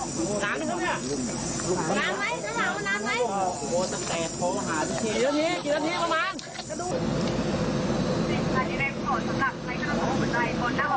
ประมาณนี้กี่นาทีประมาณ